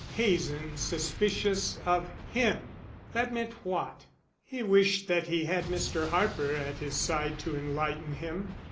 Hazen suspicious of him! that meant what? He wished that he had Mr. Harper at his side to enlighten him.